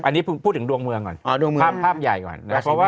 อันนี้พูดถึงดวงเมืองก่อนภาพใหญ่ก่อน